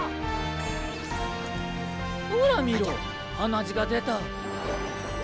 ほら見ろ鼻血が出た。